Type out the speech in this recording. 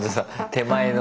手前の。